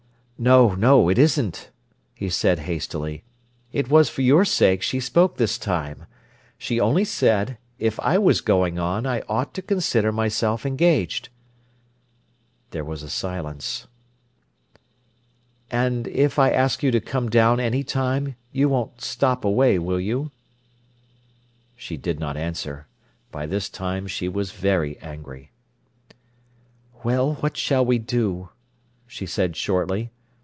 "No, no, it isn't," he said hastily. "It was for your sake she spoke this time. She only said, if I was going on, I ought to consider myself engaged." There was a silence. "And if I ask you to come down any time, you won't stop away, will you?" She did not answer. By this time she was very angry. "Well, what shall we do?" she said shortly.